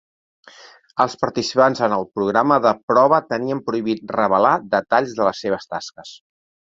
Els participants en el programa de prova tenien prohibit revelar detalls de les seves tasques.